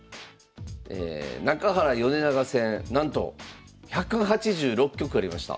中原米長戦なんと１８６局ありました。